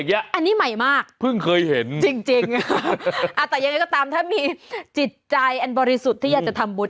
ยังไงก็ตามถ้ามีจิตใจอันบริสุทธิ์ที่อยากจะทำบุญ